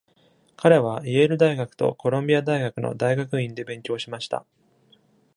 彼はイェール大学とコロンビア大学の大学院で勉強しました。